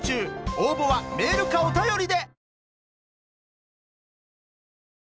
応募はメールかお便りで！